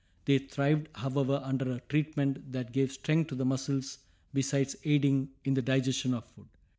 They thrived, however, under a treatment that gave strength to the muscles, besides aiding in the digestion of food.